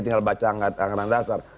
tinggal baca angkatan dasar